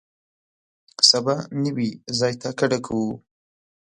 سبا نوي ځای ته کډه کوو.